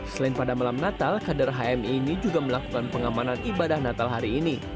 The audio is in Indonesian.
selain pada malam natal kader hmi ini juga melakukan pengamanan ibadah natal hari ini